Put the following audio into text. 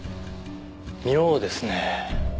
妙ですねぇ。